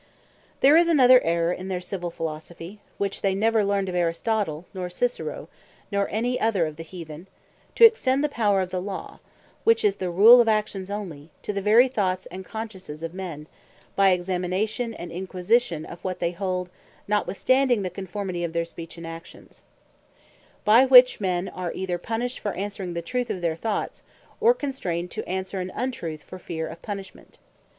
Laws Over The Conscience There is another Errour in their Civill Philosophy (which they never learned of Aristotle, nor Cicero, nor any other of the Heathen,) to extend the power of the Law, which is the Rule of Actions onely, to the very Thoughts, and Consciences of men, by Examination, and Inquisition of what they Hold, notwithstanding the Conformity of their Speech and Actions: By which, men are either punished for answering the truth of their thoughts, or constrained to answer an untruth for fear of punishment.